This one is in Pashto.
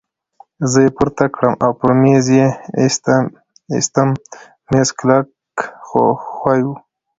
زه يې پورته کړم او پر مېز پرې ایستم، مېز کلک خو ښوی وو.